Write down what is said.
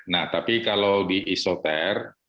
nah tapi kalau di isoter